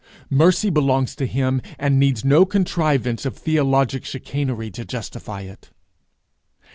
Mercy belongs to him, and needs no contrivance of theologic chicanery to justify it.'